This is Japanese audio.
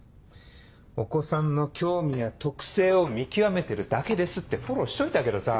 お子さんの興味や特性を見極めてるだけですってフォローしといたけどさ。